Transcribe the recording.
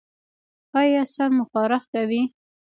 ایا سر مو خارښ کوي؟